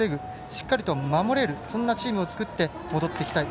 しっかりと守れるそんなチームを作って戻ってきたい。